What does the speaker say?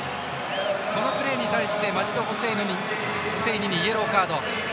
このプレーに対してマジド・ホセイニにイエローカード。